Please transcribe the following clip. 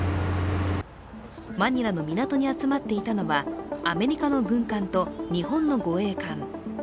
マニラの港に集まっていたのはアメリカの軍艦と日本の護衛官。